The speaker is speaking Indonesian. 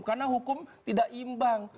karena hukum tidak imbang